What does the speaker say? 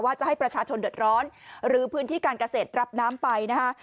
จะให้ประชาชนเดือดร้อนหรือพื้นที่การเกษตรรับน้ำไปนะคะ